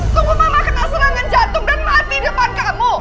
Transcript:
tunggu mama kena serangan jantung dan mati depan kamu